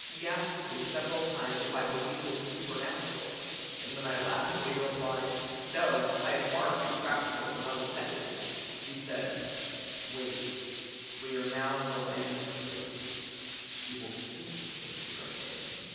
He asked me several times if I believed in the supernatural, and when I laughingly replied 'No, I am far too practical and level headed,' he said 'Wait. We are now in the land of spirits. You will soon change your opinion.'